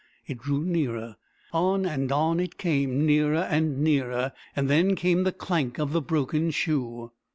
It drew nearer. On and on it came nearer and nearer. Then came the clank of the broken shoe!